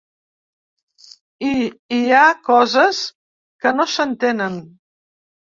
I hi ha coses que no s’entenen.